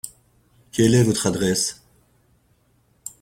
Quelle est votre adresse ?